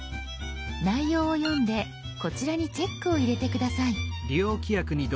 内容を読んでこちらにチェックを入れて下さい。